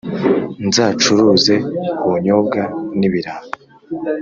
nzacuruze ubunyobwa n’ibiraha